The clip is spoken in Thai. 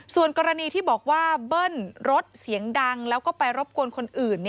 ส่วนกรณีที่บอกว่าเบิ้ลรถเสียงดังแล้วก็ไปรบกวนคนอื่น